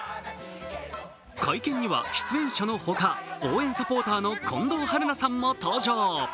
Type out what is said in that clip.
会見には出演者のほか、応援サポーターの近藤春菜さんも登場。